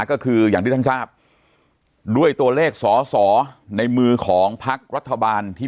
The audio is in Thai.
ก็คืออย่างที่ท่านทราบด้วยตัวเลขสอสอในมือของพักรัฐบาลที่